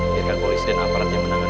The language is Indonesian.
biarkan polisi dan aparatnya menangani